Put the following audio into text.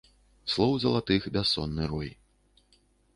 Слоў залатых бяссонны рой.